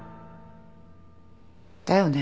だよね。